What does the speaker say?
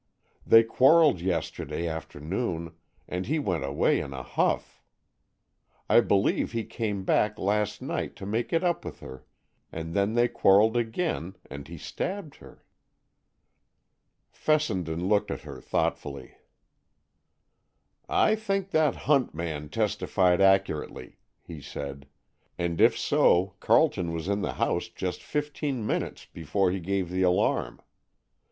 They quarrelled yesterday afternoon, and he went away in a huff. I believe he came back last night to make it up with her, and then they quarrelled again and he stabbed her." Fessenden looked at her thoughtfully. "I think that Hunt man testified accurately," he said. "And if so, Carleton was in the house just fifteen minutes before he gave the alarm.